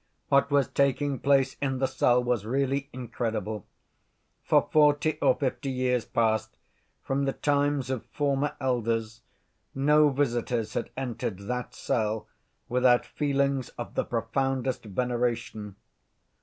What was taking place in the cell was really incredible. For forty or fifty years past, from the times of former elders, no visitors had entered that cell without feelings of the profoundest veneration.